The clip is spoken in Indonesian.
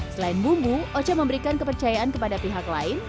selain bumbu ocha memberikan kepercayaan kepada pihak lain